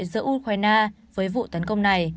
giữa ukraine với vụ tấn công này